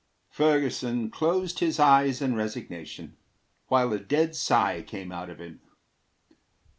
Ferguson closed his eyes in resignation, While a dead sigh came out of him.